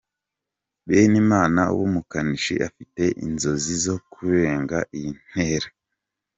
Benimana w’umukanishi afite inzozi zo kurenga iyi ntera